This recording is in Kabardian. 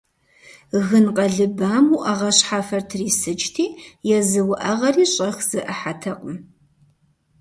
Гын къэлыбам уӏэгъэ щхьэфэр трисыкӏти, езы уӏэгъэри щӏэх зэӏыхьэтэкъым.